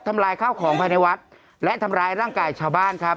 ลายข้าวของภายในวัดและทำร้ายร่างกายชาวบ้านครับ